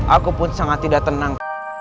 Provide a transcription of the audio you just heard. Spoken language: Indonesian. aku pun sangat tidak tenang